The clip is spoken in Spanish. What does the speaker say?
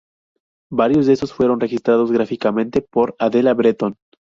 Varios de estos fueron registrados gráficamente por Adela Breton.